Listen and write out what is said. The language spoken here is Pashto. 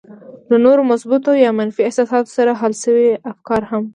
له نورو مثبتو او يا منفي احساساتو سره حل شوي افکار هم.